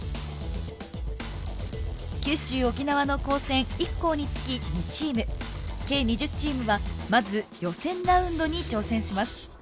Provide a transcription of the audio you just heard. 九州沖縄の高専１校につき２チーム計２０チームはまず予選ラウンドに挑戦します。